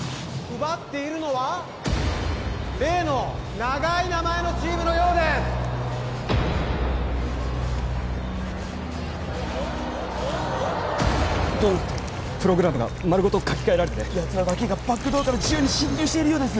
奪っているのは例の長い名前のチームのようですどうなってるプログラムがまるごと書き換えられててやつらだけがバックドアから自由に侵入しているようです